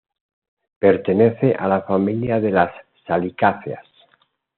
Pertenece a la familia de las salicáceas.